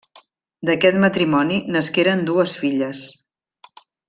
D'aquest matrimoni nasqueren dues filles: